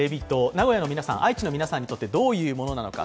名古屋の皆さん、愛知の皆さんにとってどういうものなのか、